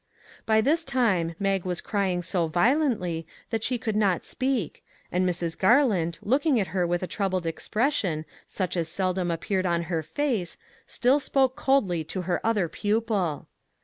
By this time Mag was crying so violently that she could not speak, and Mrs. Garland, looking at her with a troubled expression such as seldom appeared on her face, still spoke coldly to her other pupil.